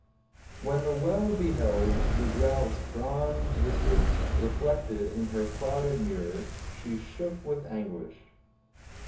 When the Well beheld the Drought's bronzed visage reflected in her clouded mirror, she shook with anguish.